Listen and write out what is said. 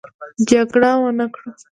جګړه ونه کړو.